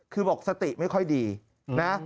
คือบอกสติไม่ค่อยดีนะ